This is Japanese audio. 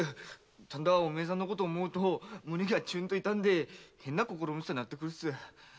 ただお前さんのこと思うと胸がキュッと痛んで変な心持ちになってくるんす。